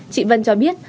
chị vân cho biết